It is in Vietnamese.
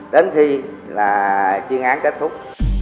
đến khi là chuyên án kết thúc